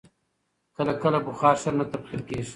کله کله بخار ښه نه تبخیر کېږي.